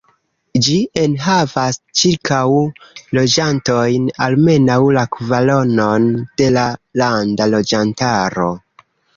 Ĝi enhavas ĉirkaŭ loĝantojn, almenaŭ la kvaronon de la landa loĝantaro.